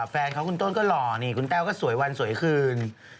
แฟนเขาคุณต้นก็หล่อนี่คุณแต้วก็สวยวันสวยคืน